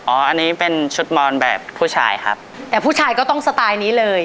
อันนี้เป็นชุดมอนแบบผู้ชายครับแต่ผู้ชายก็ต้องสไตล์นี้เลย